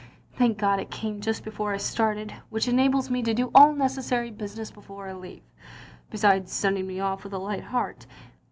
Thank God it came just before I started, which enables me to do all necessary business before I leave, besides sending me off with a light heart.